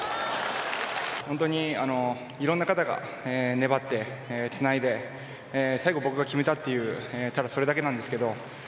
本当にいろんな方が粘って、つないで最後僕が決めたっていうただそれだけなんですけど。